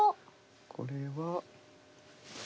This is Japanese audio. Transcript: これは。